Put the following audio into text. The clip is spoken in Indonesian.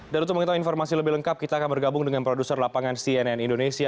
dan untuk mengetahui informasi lebih lengkap kita akan bergabung dengan produser lapangan cnn indonesia